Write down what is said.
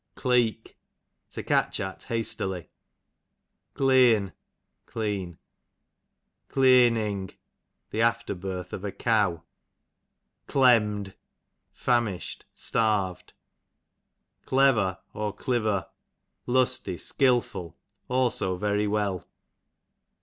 Cleek, to catch at hastily. Cleeon, clean. Cleeoning, the after birth of a cow. Clemm'd, famish'd, starv'd. Clever, I lusty, skilful ; also very Cliver, ) well.